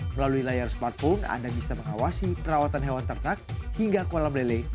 melalui layar smartphone anda bisa mengawasi perawatan hewan ternak hingga kolam lele